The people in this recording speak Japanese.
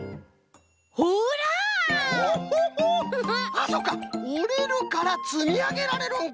あっそうかおれるからつみあげられるんか！